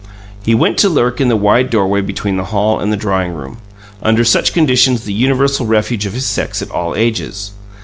He went to lurk in the wide doorway between the hall and the drawing room under such conditions the universal refuge of his sex at all ages.